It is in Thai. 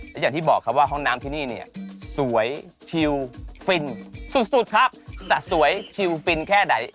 และอย่างที่บอกครับว่าห้องน้ำที่นี่เนี่ยสวยชิลฟินสุดครับจะสวยชิลฟินแค่ไหน